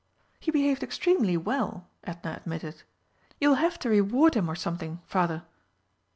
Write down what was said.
"He behaved extremely well," Edna admitted. "You will have to reward him or something, Father."